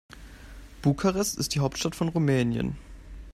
Bukarest ist die Hauptstadt von Rumänien.